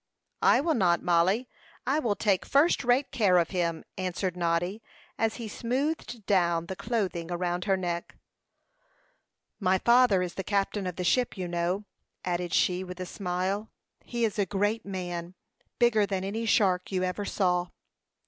"I will not, Mollie; I will take first rate care of him," answered Noddy, as he smoothed down the clothing around her neck. "My father is the captain of the ship, you know," added she, with a smile. "He is a great man; bigger than any shark you ever saw."